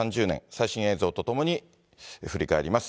最新映像とともに振り返ります。